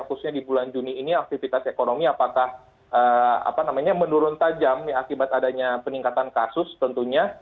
khususnya di bulan juni ini aktivitas ekonomi apakah menurun tajam akibat adanya peningkatan kasus tentunya